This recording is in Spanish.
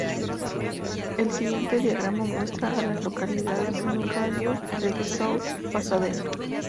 El siguiente diagrama muestra a las localidades en un radio de de South Pasadena.